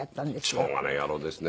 しょうがない野郎ですね